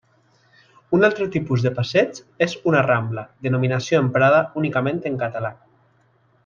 Un altre tipus de passeig és una rambla, denominació emprada únicament en català.